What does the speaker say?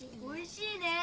おいしいね。